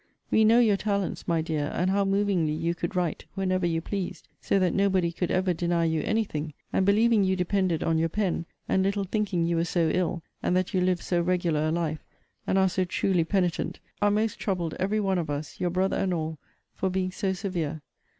We know your talents, my dear, and how movingly you could write, whenever you pleased; so that nobody could ever deny you any thing; and, believing you depended on your pen, and little thinking you were so ill, and that you lived so regular a life, and are so truly penitent, are most troubled every one of us, your brother and all, for being so severe.